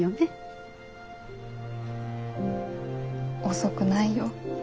遅くないよ。